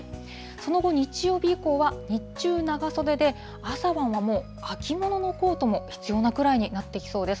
その後日曜日以降は、日中長袖で、朝晩はもう秋もののコートも必要なくらいになってきそうです。